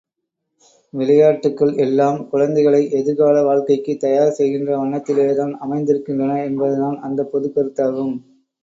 விளையாட்டுக்கள் எல்லாம் குழந்தைகளை எதிர்கால வாழ்க்கைக்குத் தயார் செய்கின்ற வண்ணத்திலேதான் அமைந்திருக்கின்றன என்பதுதான் அந்தப் பொதுக் கருத்தாகும்.